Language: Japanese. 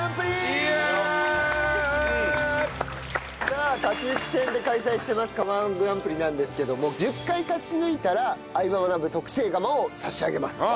さあ勝ち抜き戦で開催してます釜−１グランプリなんですけども１０回勝ち抜いたら『相葉マナブ』特製釜を差し上げます。